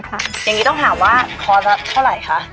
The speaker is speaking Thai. อย่างนี้ต้องถามว่าคอร์สละเท่าไหร่คะ